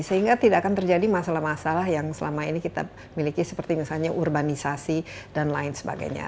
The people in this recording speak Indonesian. sehingga tidak akan terjadi masalah masalah yang selama ini kita miliki seperti misalnya urbanisasi dan lain sebagainya